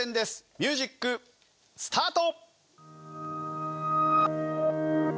ミュージックスタート！